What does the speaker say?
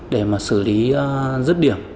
để mà xử lý rứt điểm